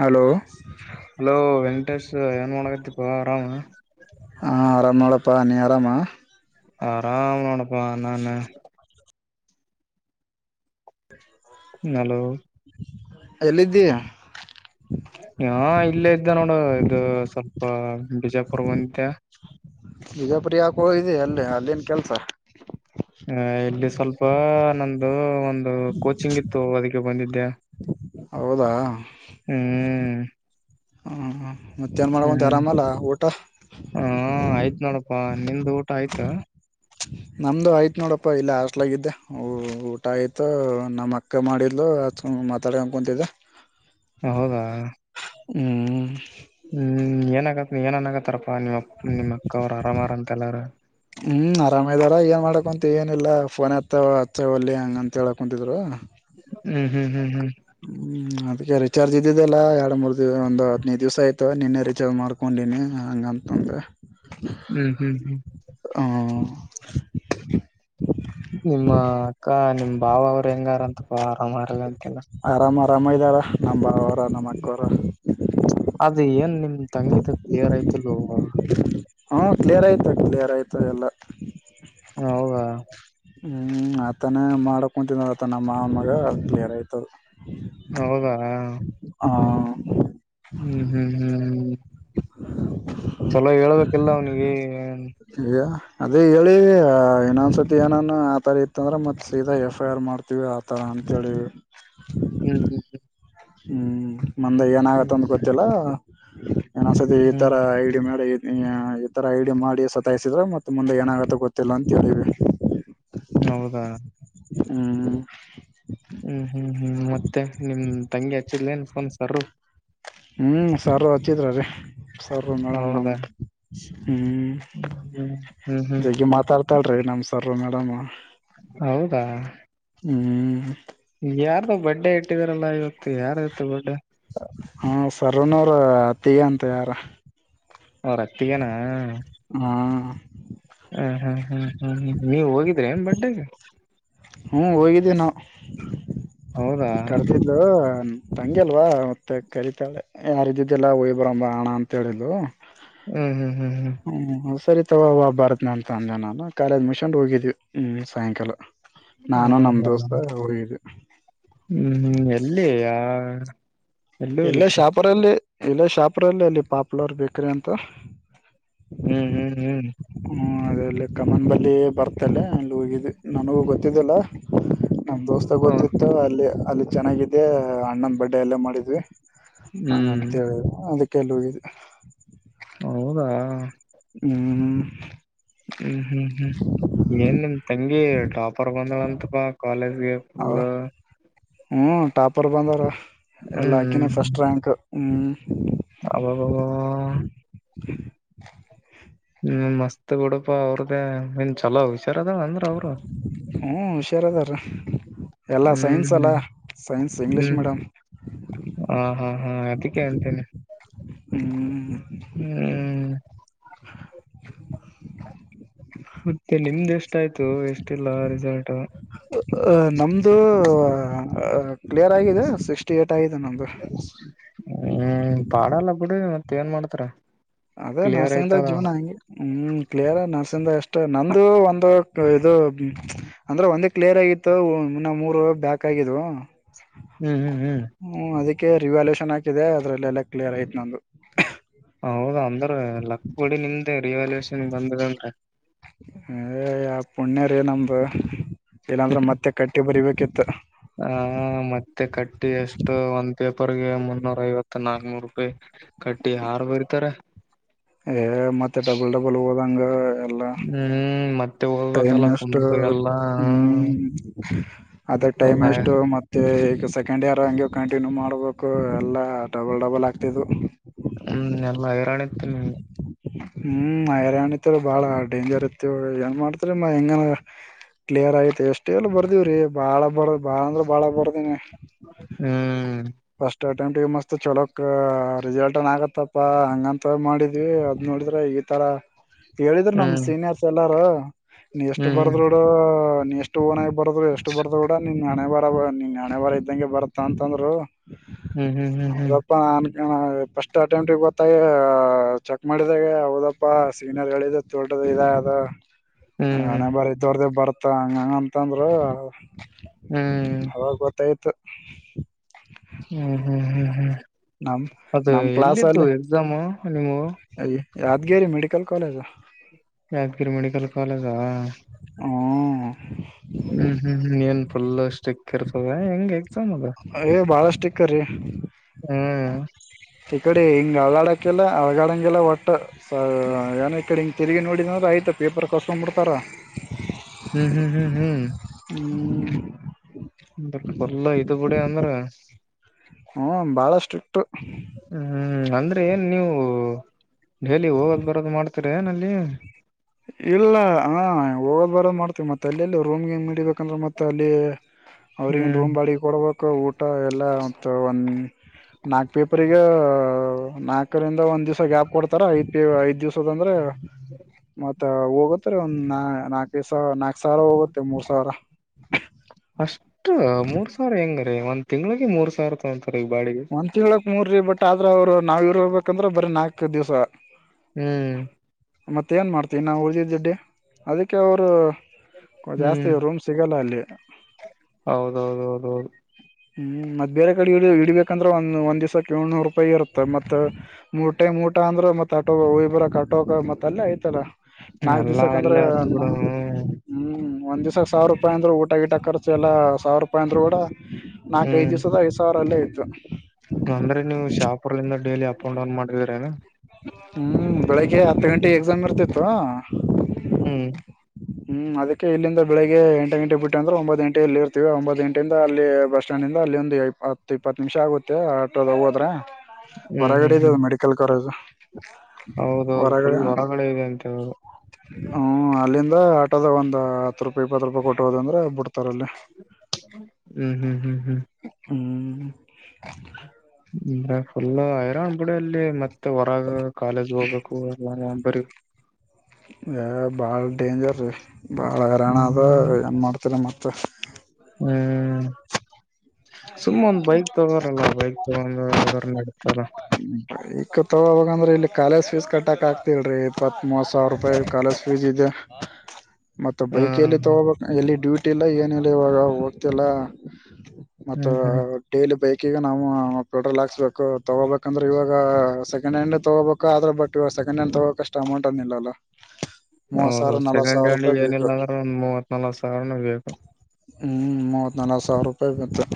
Hello hello ಏನ್ ಮಳಗತಿಪ ಆರಾಮ ಹಾ ಆರಾಮ್ ನೋಡಪ್ಪಾ ನೀ ಆರಾಮ ಆರಾಮ್ ನೋಡಪ ನಾನ ್ಮ ಹಲೋ ಎಲ್ಲಿಿದ್ದ ಹ ಇಲ್ಲೇ ಇದ್ದ ನೋಡು ಇದು ಸ್ವಲ್ಪ ಬಿಜಾಪುರವಂತೆ ನಿಜಪ್ರಿಯ ಹಾಕ ಹೋಗಿ ಅಲ್ಲಿ ಅಲ್ಲಿೇನ್ ಕೆಲ್ಸ ಹ ಇಲ್ಲಿ ಸ್ವಲ್ಪ ನಮಂದು ಒಂದು ಕೋಚಿಂಗ್ ಇತ್ತು ಅದಕ್ಕೆ ಬಂದಿದ್ದ್ಯಾ ಹೌದಾ ಹ್ಮ್ ಹ್ಮ ಮತ್ತೇಏನ್ ಮಾಡಕಂತ ಹ್ಮ್ ಆರಾಮಲ್ಲ ಊಟ ಹನ್ನಂದು ಊಟ ಆಯ್ತಾ ನಮ್ದು ಆಯ್ತ ನೋಡಪ್ಪ ಇಲ್ಲ ಆಸ್ಲಾಗಿದ್ದೆ ಊಟ ಆಯ್ತು ನಮ್ಮಕ್ ಅಕ್ಕ ಮಾಡಿದ್ಲು ಅ ಮಾತಾಡ ಅನ್ಕೊತಿದ್ದ ಹೌದಾ ಹ್ಮ್ ಹ್ಮ್ ಏನಗತ್ ಏನ್ನ್ಗತ್ತಾರಪ್ಪಾ ನಿಮ್ಮ ನಿಮ್ಮಕ್ಕ ಅವರು ಆರಾಮರ ಅಂತೆಲ್ಲಾರ ಹ್ಞೂ ಆರಾಮ ಇದಾರ ಏನು ಮಾಡಕೊಂತ ಏನಿಲ್ಲ ಫೋನ್ ಹತ್ತ ಅಚ್ಚ ಹೊಲ್ಲಿ ಹಂಗ ಅಂತ ಹೇಳಕ್ ಕುಂತಿದ್ರು ಹ್ಮ್ ಹ್ಮ್ ಹ್ಮ್ ಹ್ಮ್ ಹ್ಮ್ ಅದಕ್ಕೆ ರಿಚಾರ್ಜ್ ಇದ್ದಿದ್ದಲ್ಲ ಎರಡ್ ಮೂರ್ ದಿವ ಒಂದು ಹದ್ನೈದು ದಿವ್ಸ ಆಯ್ತು ನಿನ್ನೆ ರಿಚಾರ್ಜ್ ಮಾಡ್ಕೊಂಡು ಅಲ್ಲಿನ ಹಂಗಂತಂದ ಹ್ಮ್ ಹ್ಮ್ ಹ್ಮ್ ಹ ನಿಮ್ಮ ಅಕ್ಕ ನಿಮ್ಮ್ ಬಾವ ಅವ್ರ ಹೆಂಗಾರಂತಪ್ಪಾ ಆರಾಮ ಮಾಡಲ್ಲ ಅಂತೆಲ್ಲ ಅಮ್ಮ ಇದ್ದಾರ ನಮ್ಮ ಬಾವರ ನಮ್ಮ ಅಕ್ಕೋರ ಅದ ಏನ್ ನಿಮ ತಂಗಿಿತ ಕ್ಲಿಯರ್ ಯ್ತಿಲ್ಲ ಹಾ ಕ್ಲಿಯರ್ ಆಯ್ತ ಕ್ಲಿಯರ್ ಆಯ್ತ ಎಲ್ಲ ಹೌದಾ ಹ್ಮ್ ಆತಾನೇ ಮಾಡಕೊಂತನ್ ಆತ ನಮ್ಮಮ್ಮಗ ಕ್ಲಿಯರ್ ಆಯ್ತದ ಹೌದಾ ಹ ಹ್ಮ್ ಹ್ಮ್ ಹ್ಮ್ ಹ್ಮ್ ಎಲ್ಲ ಅವನಿಗೆ ಇಾ [unintelligible] ಅದೇ ಹೇಳಿ ಇನ್ನೊಂದ್ಸತಿ ಏನನು ಆತರ ಇತ್ತ ಅಂದ್ರೆ ಮತ್ತ ಸೀದಾ ಎಫ್ ಐ ಆರ್ ಮಾಡ್ತೀವಿ ಆತರ ಅ ಹೇಳಿದ್ರು ಹ್ಮ್ ಹ್ಮ್ ಹ್ಮ್ ಹ್ಮ್ ಮಂದೆ ಏನ ಆಾಗತ್ತ ಅಂದ ಗೊತ್ತಿಲ್ಲ ಏನೊಂದ್ಸತಿ ಹ್ಮ್ ಈ ಹ್ಮ್ ತರ ಐ ಡಿ ಮಾಡಿ ಈ ತರ ಐಡಿಯಾ ಮಾಡಿ ಸತಾಯಸಿದ್ರ ಮತ್ತೆ ಮುಂದೆ ಏನಾಗತ್ತ ಗೊತ್ತಿಲ್ಲ ಅಂತ ಹೇಳೀವಿ ಹೌದಾ ಹ ಹ್ಮ್ ಹ್ಮ್ ಹ್ಮ್ ಮತ್ತೆ ನಿನ್ ತಂಗಿ ಹಚ್ಚಿದ್ಲ ಏನ್ ಫೋನ್ ಸರ್ ರು ಹ್ಮ್ ಸರ್ರು ಹಚಿತ್ರ ರೀ ಸರ್ರು ಮೇಡಮ್ ನಮ ಹೌದಾ ಹ್ಮ್ ಹ್ಮ್ ಹ್ಮ್ ಹ್ಮ್ ಜಗ್ಗಿ ಮಾತಾಡ್ತಾಳ್ರಿ ನಮ ಸ್ವಲ್ಪ ಮೇಡಂ ಹೌದಾ ಹ್ಮ್ ಯಾರ್ದು ಬಡ್ಡೆ ಇಟ್ಟಿದಾರಲ್ಲಾ ಇವತ್ತು ಯಾರು ಇರುತ್ತ ಬಡ್ಡೆ ಹಾ ಸರ್ನವರ [unintelligible] ತಗ ಅತ್ತಿ ಯಾರು ಅವರ ಅತ್ತಿಗೆ ನ ಹಾ ಹ್ಮ್ ಹ್ಮ್ ಹ್ಮ್ ಹ್ಮ್ ಹ್ಮ್ ನೀವ್ ಹೋಗಿದ್ರೆ ಬರ್ಡೆಗೆ ಹ್ಮ ಹೋಗಿದ್ದೇ ನಾ ಹೌದಾ ಕರ್ತಿದ್ದು ತಂಗಿ ಅಲ್ವಾ ಮತ್ತೆ ಕರಿತಾಳೆ ಯಾರ ಇದಿದ್ದಲ್ಲ ಹೋಗಿ ಬರೋಣ ಅಣ್ಣಾ ಅಂತ ಹೇಳಿದ್ದು ಹ್ಮ್ ಹ್ಮ್ ಹ್ಮ್ ಹ್ಮ್ ಹ್ಮ ಸರಿ ಉವಾ ಬಾರತ [unintelligible] ಅಂತ ಅಂದೆ ನಾನು ಕಾಲೇಜ್ ಮಿಷನ್ ಹೋಗಿದೀವಿ ಹ್ಮ್ ಸಾಯಂಕಾಲ ನಾನು ನಮ್ ಹೌದಾ ದೋಸ್ತು ಹೋಗಿದ್ವಿ ಎಲ್ಲಿ ಎಲ್ಲಿ ಎಲ್ಲ ಹೋಗಿದ್ರಿ ಶಾಪುರ್ ಅಲ್ಲಿ ಎಲ್ಲ ಶಾಪುರ್ ಅಲ್ಲಿ ಪಾಪುಲರ್ ಬೇಕ್ರಿ ಅಂತ ಹ್ಮ್ ಹ್ಮ್ ಹ್ಮ್ ಅದೆರಲ್ಲಿ ಕಮನ್ಲ್ಲಿ ಬರ್ತಲ್ಲೆ ಅಲ್ಲಿ ಹೋಗಿದ್ದು ನನಗೂ ಗೊತ್ತಿದ್ದಲ್ಲ [inaudible] ನಮ್ ದೋಸ್ತಾಗ ಹ ಗೊತ್ತಿತ್ತು ಅಲ್ಲಿ ಅಲ್ಲಿ ಚೆನ್ನಾಗಿದೆ ಅಣ್ಣನ್ ಬರ್ಡ ಎಲ್ಲ ಮಾಡಿದ್ವಿ ಹಂಗಂತ ಹ್ಮ್ ಹೇಳ ಅದಕ್ಕೆಲ್ಲ ಹೌದಾ ಹ್ಮ್ ಹ್ಮ್ ಹ್ಮ್ ಹ್ಮ್ ಏನ್ ನಿಮ್ ತಂಗಿ ಟಾಪರ್ ಬಂದಳಂತ ಕ ಕಾಲೇಜ್ ಅ ಪಲ್ಲ ಅವ [unintelligible] ಹ್ಮ್ ಟಾಪರ್ ಬಂದಾರ ಎಲ್ಲ ಹಾಕಿನ ಫಸ್ಟ್ ರ್ಯಾಂಕ್ ಹ್ಮ್ ಅ [unintelligible] [unintelligible] ಪ್ಪಾ ಅವ್ರದ್ದೇ ಇನ್ ಚಲೋ ಹಷಾರ ಅದ ಅಂದ್ರ ಅವ್ರು ಹ್ಞೂ ಹುಷಾರದಾರೀ ಎಲ್ಲ ಸೈನ್ಸ್ ಹ್ಮ್ ಅಲ್ಲ ಸೈನ್ಸ್ ಇಂಗ್ಲೀಷ್ ಹ್ಮ್ ಮೇಡಂ ಹಾ ಹಾ ಹಾ ಅದಕ್ಕೆ ಅಂತೇನೆ ಹ್ಮ್ ಹ್ಮ್ ಮತ್ತೆ ನಿಮ್ದ್ ಎಷ್ಟ ಆಯ್ತು ಎಷ್ಟಿಲ್ಲ ರಿಸಲ್ಟ್ ಅ ನಮ್ದು ಕ್ಲಿಯರ್ ಆಗಿದೆ ಸಿಕ್ಸ್ಟಿ ಏ ಗತ್ತ [unintelligible] ಇ ನಂದು ಹ್ಮ್ ಪಾಡ ಎಲ್ಲ ಬಿಡ ಮತ್ತ ಏನ್ ಮಾಡ್ತಾರ ಅದೇ ಕ್ಲಿಯರ್ ನರ್ಸಿಂಗ್ದ ಆಯ್ತದ ಜೀವನ ಹಂಗಗೆ ಹ್ಮ್ ಕ್ಲಿಯರ್ ನರ್ಸಿಂಗ್ ಎಷ್ಟು ನಂದು ಒಂದು ಇದು ಅಂದ್ರೆ ಒಂದ ಕ್ಲಿಯರ್ ಆಗಿತ್ತು ಇನ್ನ ಮೂರು ಬ್ಯಾಕ್ ಆಗಿದ್ದು ಹ್ಮ್ ಹ್ಮ್ ಹ್ಮ್ ಕೆ ರಿವ್ಯಾಲ್ಯೂವೆಷನ್ ಹಾಕಿದೆ ಅದ್ರಲ್ಲೆಲ್ಲಾ ಕ್ಲಿಯರ್ ಆಯ್ತ ನಂದು. ಹೌದ ಅಂದ್ರ ಲಕ್ಕ ಬಿಡು ನಿಮ್ದೇ ರಿವ್ಯಾಲ್ಯೂಯೇಷನ್ ಬಂದ್ [unintelligible] ಏ ಯ ಪುಣ್ಯ ರೀ ನಮ್ದು ಇಲ್ಲಾಂದ್ರೆ ಮತ್ತೆ ಕಟ್ಟಿ ಬರಿಬೇಕಿತ್ತು. ಆ ಇಪ್ಪರ್ಗೆ ಮುನ್ನೂರ ಐವತ್ತು ನಾಕನೂರು ರೂಪಾಯಿ ಕಟ್ಟಿ ಯಾರ್ ಬರಿತಾರೆ. ಏ ಮತ್ತೆ ಡಬಲ್ ಡಬಲ್ ಓದಂಗ. ಎಲ್ಲ ಹ್ಮ್ ಮತ್ತ. ಟೈಮ್ ಎಷ್ಟು ಹ್ಮ್ ಅದ ಟೈಮ್ ಅಲ್ಲ. ಎಷ್ಟು ಮತ್ತೆ. ಸೆಕೆಂಡ್ ಇಯರ್ ಹಂಗೆ ಕಂಟಿನ್ಯೂ ಮಾಡ್ಬೇಕು ಎಲ್ಲಾ. ಹಾ ಡಬಲ್ ಡಬಲ್ ಆಗ್ತಿದ್ವು. ತಿ [unintelligible] ಹ್ಮ ಹೈರಾಣಿತ್ತದ ಬಾಳ ಡೇಂಜರ್ ಇತ್ತವ್ ಏನ್ ಮಾಡ್ತರಿ ಮ ಹೆಂಗ ಕ್ಲಿಯರ್ ಆಯತ ಎಷ್ಟ ಆಲಿ ಬರ್ದೀವ್ರೀ ಬಾಳ ಬರ್ ಬಾಳ ಅಂದ್ರ ಬಾಳ ಬರ್ದಿನಿ. ಹ್ಮ್ ಅಟೆಂಟ್ ಮಸ್ತ್ ಚಲೋಕ್ ರಿಸಲ್ಟ್ನ್ ಆಗತ್ತಪ್ಪಾ ಹಂಗಂತ ಮಾಡಿದ್ವಿ ಅದ್ ನೋಡಿದ್ರ ಈ ಈ ತರ ಹೇಳಿದ್ರ ನಮ ಹ್ಮ್ ಸೀನಿಯರ್ಸ್ ಎಲ್ಲಾರ ಎಷ್ಟ ಹ್ಮ್ ಬರ್ದ್ರೋಡು. ನ್ ಎಷ್ಟು ಓನಾಗ ಬರದ್ರು ಎಷ್ಟು ಬರ್ದ್ ಕೂಡ ನಿನ್ ಹಣೆಬರ ನಿನ್ ಹಣೆಬರ ಇದ್ದಂಗೆ ಬರತ ಅಂತಂದ್ರು. ಹ್ಮ್ ಹ್ಮ್ ಹ್ಮ್ ಹ್ಮ್ ಹೌದಪ್ಪ ನಾನ್ ಫಸ್ಟ್ ಅಟೆಂಪ್ಟ ಗೊತ್ತಾ [unintelligible] ಗ ಚೆಕ್ ಮಾಡಿದಾಗ ಹೌದಪ್ಪಾ ಸೀನಿಯರ್ ಹೇಳಿದ [unintelligible] ತೋಳ್ರ. ಇದ ಅದ ಹ್ಮ್ ಹ್ಮ್ ಹಣೆ ಬರ ಇದ್ದೊರ್ದ ಬರ್ತ ಹಂಗಂತಂದ್ರ. ಹ್ಮ್ ಅವಾಗ ಗೊತ್ತಾಯ್ತು. ಹ್ಮ್ ಹ್ಮ್ ಹ್ಮ್ ಹ್ಮ್ ನಮ್ ಅದು ನಮ್ ಕ್ಲಾಸ್ ಎಲ್ಲಿದ್ದು ಅಲ್ಲಿ ಎಕ್ಸಾಮ್ ನಿಮ್ಮು. Yadgir medical college. Yadgir medical ಕಾಲೇಜಾ ಹ್ಮ್ ಹ್ಮ್ ಹ್ಮ್ ಹ್ಮ್ ಏನ್ ಫುಲ್ ಸ್ಟ್ರಿಕ್ಕಿರ್ತದ ಹೆಂಗೆ. ಐ ಬಾಳಷ್ಟಿಕ್ಕ ರೀ. ಹ್ಮ್ ಇಕಡೆ ಹಿಂಗ ಅಳಗಡಕ್ಕಿಲ್ಲ ಅಳಗ್ಯಡಂಗಿಲ್ಲ ಒಟ್ಟ ಸ ಏನ್ ಇಕಡಿ ತಿರಿಗಿ ನೋಡಿದಂದ್ರೆ ಆಯ್ತು ಪೇಪರ್ ಕಸ್ಕೊಂಡ್ಬಿಡ್ತಾರ. ಹ್ಮ್ ಹ್ಮ್ ಹ್ಮ್ ಹ್ಮ್ ಹ್ಮ ಅಂದೂರ ಪುಲ್ ಇದ ಬಿಡಿ ಅಂದ್ರ. ಹ್ಮ ಬಾಳ ಸ್ಟ್ರಿಕ್ಟು. ಹ್ಮ್ ಅಂದ್ರೆ ಏನ್ ನೀವು ಡೆಲಿ ಹೋಗೋದ್ ಬರೋದು ಮಾಡ್ತೀರ ಏನ ಅಲ್ಲೇ ಇಲ್ಲ ಹ ಹೋಗೋದ್ ಬರೋ ಮಾಡ್ತೀವಿ ಮತ್ತೆ ಅಲ್ಲೆಲ್ಲಿ ರೂಮ್ ಗಿಮ ಹಿಡಿಬೇಕಂದ್ರ ಮತ್ತ ಅಲ್ಲಿ. ಅವ್ರಗನು ಹ್ಮ್ ರೂಮ್ ಬಾಡಿಗ ಕೊಡ್ಬೇಕು ಊಟ ಎಲ್ಲ ಮತ್ತ ಒಂದ. ನಾಕ್ ಪೇಪರಿಗ ನಾಕರಿಂದ ಒಂದ್ ದಿವಸ್ ಗ್ಯಾಪ್ ಕೊಡ್ತಾರ ಐದ್ ಪೇ ಐದ್ ದಿವ್ಸ. ತದಂದ್ರ. ಮತ್ತ ಹೋಗತ್ತರಿ ಒಂದ್ ನಾ ನಾಕೈ ಸ ನಾಕ ಸಾವಿರ ಹೋಗತ್ತೆ ಮೂರ್ ಸಾವಿರ ಅಷ್ಟ ಮೂರ್ ಸಾವಿರ ಹೆಂಗರೀ ಒಂದ್ ತಿಂಗ್ಳಿಗೆ ಮೂರ್ ಸಾವಿರ ರೂಪಾಯಿ ಅನ್ತ್ರಿ ಬಾಡಿಗಿ. ಹ್ಮ್ಮ್ ರಿ ಬಟ್ ಆದ್ರ ಅವ್ರು ನಾವ್ ಇರ್ರ್ಬೇ [unintelligible] ಕಂದ್ರ ಬರೆ ನಾಕೆ ದಿವ್ಸ ಹ್ಮ್ ಮತ್ತ ಏನ ಮಾಡ್ತೀ ನಾವು ಉಳದಿದ್ದ ದುಡ್ಡೇ ಅದಕ್ಕೆ ಅವರು. ಕೊ ಜಾಸ್ತಿ ರೂಮ್ ಸಿಗೋಲ್ಲ ಅಲ್ಲಿ. ಹೌದೌದ ಹೌದ ಹೌದು ಹ್ಮ್ ಮತ್ ಬೇರೆ ಕಡೆ ಇ ಇಡ್ಬೇಕಂದ್ರ ಒಂದ ಒಂದ್ ದಿವ್ಸಕ್ ಏಳ್ನೂರು ರೂಪಾಯಿ ಇರುತ್ತ ಮತ್ ಮೂರ್ ಟೈಮ್. ಊಟ ಅಂದ್ರ ಮತ್ ಆಟೊ ಹೊಗಿಬರಕ್ ಆಟೋಕ ಮತ್ತ ಅಲ್ಲೇ ಐತಲ್ಲ. ನಾಕ್ ಎಲ್ಲಾ ದಿವ್ಸಕಂದ್ರ ಅಲ್ಲೇ ಆತ್ ಬಿಡ ನಾ ಹ್ಮ್ ಹ್ಮ್. ಒಂದ ದಿವ್ಸಕ ಸಾವಿರ್ ರೂಪಾಯಿ ಅಂದ್ರ ಊಟ ಗಿಟ್ ಖರ್ಚ್ ಎಲ್ಲ ಸಾವಿರ ರೂಪಾಯ ಅಂದ್ರುಗೂಡ ನಾಕ್ಐದ್ ಹ್ಮ್ ದಿವ್ಸದ ಐದ್ ಸಾವಿರಲ್ಲೇ ಇದ್ದು. ಅಂದ್ರೆ ನೀವು ಶಾಪುರ್ಲಿಂದ ಡೈಲಿ ಅಪ್ ಅಂಡ್ ಡೌನ್ ಮಾಡಿದ್ರಏನಾ ಹ್ಮ್ ಬೆಳಗ್ಗೆ ಹತ್ತು ಗಂಟೆಗೆ ಎಕ್ಸಾಮ್ ಇರ್ತಿತ್ತು ಹ್ಮ್ ಹ್ಮ್ ಅದಕ್ಕೆ ಇಲ್ಲಿಂದ ಬೆಳಿಗ್ ಎಂಟ ಗಂಟೆ ಬಿಟ್ಟು ಅ್ರೆ ಒಂಬ್ ಗಂಟೆ ಎ ಇರ್ತವಿ ಒಂಬ್ ಗಂಟೆಯಿಂದ ಅಲ್ಲಿ ಬಸ್ ಸ್ಟ್ಯಾಂಡ್ ಅಲ್ಲಿ ಒಂದು ಇ ಹತ್ ಇಪ್ಪತ್ತು ನಿಮಿಷ ಆಗುತ್ತೆ ಆಟೋದಾಗ ಹೋದ್ರೆ ಹ್ಮ್ ಹ್ಮ್ ಹೊರಗಡೆ ಹ್ಮ್ ಇದದು ಮೆಡಿಕಲ್ ಕಾಲೇಜು ಹೌದೌದು ಫುಲ್ ಹೊರಗಡೆ ಇದೆ ಅಂತ ಹೇಳದು ಹ್ಮ್ ಅಲ್ಲಿಂದ ಆಟೋದ ಒಂದ್ ಹತ್ ರೂಪಾಯಿ ಇಪ್ಪತ್ತು ರೂಪಾಯಿ ಕೊಟ್ಟುವುದಂದ್ರೆ ಬಿಡ್ತ ಹ್ಮ್ ಹ್ಮ್ ಹ್ಮ್ ಹ್ಮ್ ಹ್ಮ್ ಅ ಫುಲ್ ಐರನ್್ ಬಿುಡಿ ಅಲ್ಲಿ ಮತ್ತೆ ಹೊರಗ ಕಾಲೇಜ್ ಹೋಗ್ಬೇಕು ಎಲ್ಲ ಬ ಬಾಳ್ ಡೇಂಜರ್ ರೀ ಬಾಳ ಹರಾಣ ಅದ ಹ್ಮ್ ಏನ್ ಮಾಡ್ತರಿ ಮತ್ತ ಹ ಹ್ಮ್ ಸುಮ್ಮ ಒಂದ ಬೈಕ್ ತಗರಲ್ಲ ಬೈಕ್ ತಗೊಂಡ ೆತಲ್ಲ ಈಕ್ಕ ತಗಾಗಂದ್ರ ಇಲ್ಲಿ ಕಾಲೇಜ್ ಫೀಸ್ ಕಟ್ಟಾಕ್ ಆಗ್ತಿಲ್ರಿ ಇಪ್ಪತ್ ಸಾವರ ರೂಪಾಯಿ ಕಾಲೇಜ್ ಫೀಸ್ ಿದ್ದ ಹ ಮತ್ತ ಬೈಕ್ ಎಲ್ಲಿ ತಗೋಬೇಕ ಎಲ್ಲಿ ಡ್ಯೂಟಿ ಇಲ್ಲ ಏನಿಲ್ಲ ಇವಾಗ ಹೋಗ್ತಿಲ್ಲ ಮತ್ತ ಹ್ಮ್ ಹ್ಮ್ ಡೈಲಿ ಬೈಕಗ ನಾವು ಪಡ್ರಲ್ ಹಾಕ್ಸ್ಬೇಕು ತಗೋಬೇಕು ಯಾಕಂದ್ರೆ ಇವಾಗ ಸೆಕೆಂಡ್ ಹ್ಯಾಂಡ್ ತಗೋಬೇಕು ಆದ್ರೆ ಬಟ್ ಇವಾಗ ಸೆಕೆಂಡ್ ಹ್ಯಾಂಡ್ ತಗೋಕ್ಷ್ಟ ಅಮೌಂಟ್ ಅಂದಿಲ್ಲಲ್ಲಾ ಹೌದು ಸೆಕೆಂಡ್ ಹ್ಯಾಂಡ ಏನಿಲ್ಲ ಅಂದ್ರೆ ಒಂದ್ ಮೂವತ್ ನಲ್ಕಕ್ ಸಾವರನ ಬೇಕು ಹ್ಮ್ ಮೂವತ್ ನಲ್ಕು ಸಾವಿರ ರೂಪಾಯಿ ಬತ್ತೆ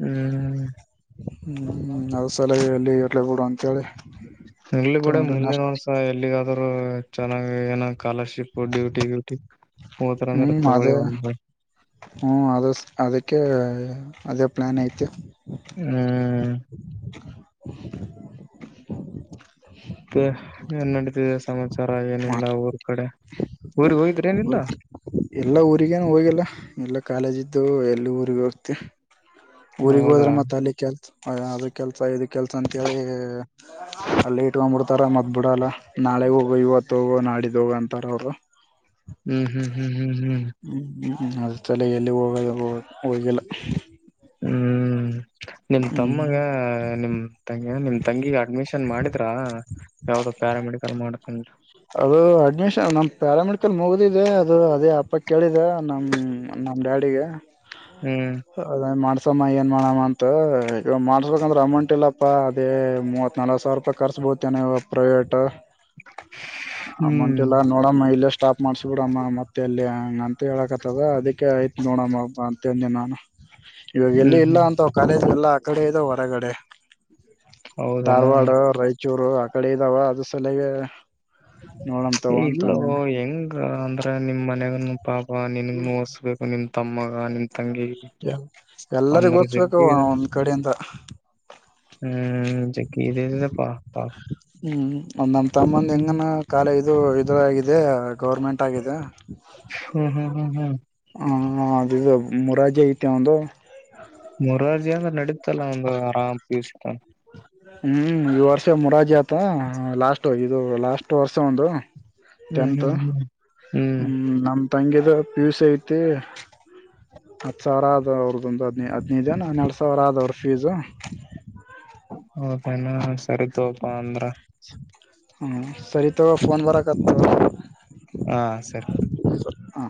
ಹ್ಮ್ ಹ್ಮ್ ಹ್ಮ್ ಅದ್ ಸಲ ಎಲ್ಲಿ ಎರಡುವಂತ ಇಲ್ಲಿ ಕೂಡ ಮುಂದೆ ಒನ್ಸ ಇಲ್ಲಿಗ ಆದ್ರರು ಚೆನ್ನಾಗ ಏನ ಕಾಲರ್ಶಿಪ್ ಡ್ಯೂಟಿ ಗ್ಯೂಟಿ ಹೋದ್ರ ಅಂದ್ರೆ ತಗೊೊಳ್ಳಿ ಒಂದ ಹ್ಮ ಅದ ಅದಕ್ಕೆ ಅದೇ ಪ್ಲಾನ್ ಐತಿ ಹ್ಮ ಹ ಮತ್ತೆ ಏನ್ ನಡೀತಿದೆ ಸಮಾಚಾರ ಏನಿಲ್ಲ ಊರ್ ಕಡೆ ಊರಿಗೆ ಹೋಗ ಅವ ಎಲ್ಲಾ ಊರಿಗೇನು ಹೋಗಲ್ಲ ಎಲ್ಲ ಕಾಲೇಜಿದ್ದು ಎಲ್ಲಿ ಊರಿಗೆ ಹೋಗ್ತೀವಿ ಊರಿಗೆಗ್ ಹೋದ್ರೆ ಹೌದಾ ಮತ್ತತ್ ಅಲ್ಲಿ ಕೆಲ್ಸ ಅದು ಕೆಲ್ಸ ಕೆಲಸ ಅಂತೇಳಿ ಅಲ್ಲಿ ಇಟ್ಕೊಂಡ್ಬಿಡ್ತಾರ ಮದ್ ಬಿಡಲ್ಲ ನಾಳೆ ಹೋಗೋ ಇವತ್ತು ಹೋಗ ಮಾಡಿದೋಗಂತಾರ ಅವರು ಹ್ಮ್ ಹ್ಮ್ ಹ್ಮ್ ಹ್ಮ್ ಹ್ಮ್ ಅ ತಲೆಯಲ್ಲಿ ಹೋಗೋದು ಹೋಗಿಲ್ಲ ಹ್ಮ್ ನಿಮ್ ಹ್ಮ್ ತಮ್ಮಗ ನಿಮ ನಿಮ್ ತಂಗಿ ಅಡ್ಮಿಷನ್ ಮಾಡಿದ್ರಾ ಯಾವ್ದೋ ಪ್ಯಾರಾಮೆಡಿಕಲ್ ಮಾಡ ಅದು ಅಣ ನಮ್ ಪ್ಯಾರಾಮೆಡಿಕಲ್ ಮುಗುದಿದೆ ಅದು ಅದೇ ಅಪ್ಪ ಕೇಳಿದೆ ನಮ್ ನಮ್ ಡ್ಯಾಡಿಗೆ ಹ್ಮ್ ಅದ ಮಾಡಸ ಏನ್ ಮಾಡೋ ಅಂತ ಈಗ ಮಾಡ್ಸ್ಬೇಕಂದ್ರೆ ಅಮೌಂಟ್ ಇಲ್ಲಪ್ಪ ಅದೇ ಮೂವತ್ ನಲ್ವ ಸಾವಿರ ರೂಪಾಯಿ ಕರ್ಸ ಬತನವ ಪ್ರೈವೇಟ್ ಅಮೌಂಟ್ ಹ್ಮ್ ಎಲ್ಲ ನೋಡಮ್ಮ ಇಲ್ಲೇ ಸ್ಟಾಪ್ ಮಾಡ್ಸ ಬಿಡಮ್ಮ ಮತ್ತೆ ಅಲ್ಲಿ ಹೇಳಕತ್ತದ ಅದಕ್ಕೆ ಆಯ್ತು ನೋಡಮ್ಮ ಅಂತೇಿ ನಾನು ಇವಾಗ ಎಲ್ಲಿ ಹ್ಮ್ ಇಲ್ಲ ಹ್ಮ್ ಅಂತ ಕಾಲೇಜ್ಲ್ಲ ಆ ಕಡೆ ಇದಾವ ಹೊರಗಡೆ ಹೌದನಾ ಧಾರವಾಡ ರಾಯಚೂರು ಆ ಕಡೆ ಇದಾವ ಅದು ಸಲ್ಯಾಗೆ. ಇಲ್ಲೋ ಹೆಂಗ. ಅ ಅಂದ್ರ ನಿಮ್ ಮನ್ಯಗನು ಪಾಪ ನಿನುಗ್ನು ಓದುಸ್ತಬೇಕ್ ನಿನ್ ತಮ್ಮಗ ನಿನ್ ತಂಗಿ ಎಲ್ಲರಿಗ ಒಂದರೆ ಓದ್ಸ್ಬೇಕು ಜಗ್ಗಿ ಅದ. ಒಂದ್ ಕಡೆಯಿಂದ ಹ್ಮ್ ಜಗ್ಗಿ ಇದೆ ಪಾಪ. ಹ್ಮ್ ಒಂದ್ ನಮ ತಮ್ಮಂದ್ ಹ್ಮ್ ಹೆಂಗನ ಕಾಲೇಜು ಇದು ಆಗಿದೆ ಗೌರ್ಮೆಂಟ್ ಆಗಿದೆ. ಹ್ಮ್ ಹ್ಮ್ ಹ್ಮ್ ಹ್ಮ್ ಅದು ಮುರಾಜಿ ಐತೆ ಅವಂದು. ಮೂರಾರ್ಜಿ ಅಂದ್ರ ನಡೀತಲ್ಲ ಅವಂದ ಆರಾಮ್ ಪಿಯುಸಿ ತನ. ಹ್ಮ್ ಈ ವರ್ಷೆ ಮುರಾರ್ಜಿ ಆತ ಲಾಸ್ಟ್ ಇದು ಲಾಸ್ಟ್ ವರ್ಷ ಅವಂದು. ಹ್ಮ್ ಟೆಂತ ಹ್ಮ್ ಹ್ಮ್ ಹ್ಮ್ ಹ್ಮ ನಮ್ ತಂಗಿದ ಪಿ ಯು ಸಿ ಐತಿ. ಹತ್ತ ಸಾವ್ರ ಆದ ಅವ್ರದೊಂದು ಹದ್ ಹದ್ನೈದ ಎನ ಹನ್ನೆರಡ ಸಾವ್ರ ಆದ ಅವ್ರ ಫೀಸು. ಹೌದಪ ಇನ್ನ [unintelligible] ಸರಿ ತೋಪ ಅಂದ್ರ. ಹ ಸರಿ ತೋ ಫೋನ್ ಬರಾಕತ್. ಹಾ ಸರಿ ಹಾ